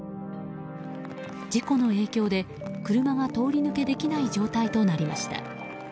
事故の影響で車が通り抜けできない状態となりました。